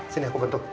sini aku bentuk